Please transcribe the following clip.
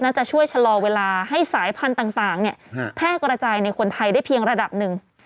จะช่วยชะลอเวลาให้สายพันธุ์ต่างแพร่กระจายในคนไทยได้เพียงระดับหนึ่ง